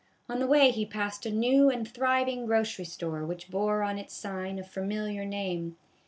On the way he passed a new and thriving grocery store which bore on its sign a familiar name.